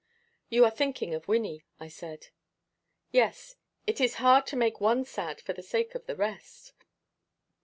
"You are thinking of Wynnie," I said. "Yes. It is hard to make one sad for the sake of the rest."